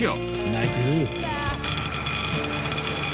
鳴いてる。